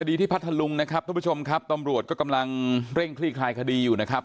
ที่พัทธลุงนะครับทุกผู้ชมครับตำรวจก็กำลังเร่งคลี่คลายคดีอยู่นะครับ